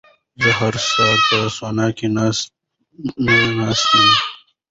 زه هره ورځ په سونا کې نه ناست یم.